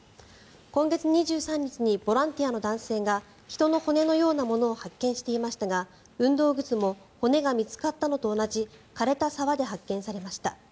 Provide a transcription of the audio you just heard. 今月２３日にボランティアの男性が人の骨のようなものを発見していましたが運動靴も骨が見つかったのと同じ枯れた沢で発見されました。